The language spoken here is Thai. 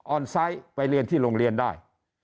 อนไซต์ไปเรียนที่โรงเรียนได้